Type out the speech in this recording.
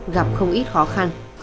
gặp không ít khó khăn